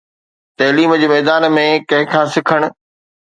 تعليم جي ميدان ۾ ڪنهن کان سکڻ.